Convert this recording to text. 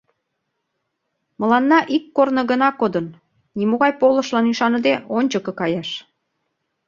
Мыланна ик корно гына кодын: нимогай полышлан ӱшаныде, ончыко каяш.